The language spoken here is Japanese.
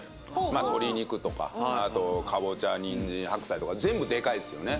まあ鶏肉とかほうあとかぼちゃにんじん白菜とか全部デカイですよね